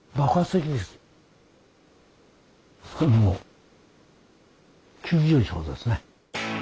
これもう急上昇ですね。